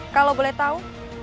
kalau boleh tahu